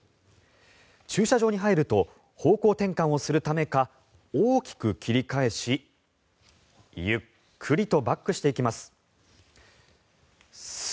駐車場に入ると方向転換するためか大きく切り返しゆっくりとバックしていきます。